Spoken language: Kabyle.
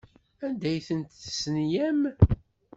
Anda ay ten-testenyam?